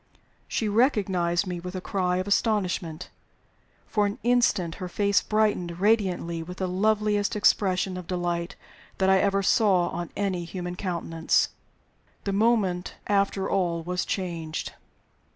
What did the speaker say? She recognized me with a cry of astonishment. For an instant her face brightened radiantly with the loveliest expression of delight that I ever saw on any human countenance. The moment after, all was changed.